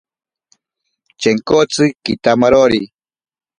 Chenkotsi kitamarori.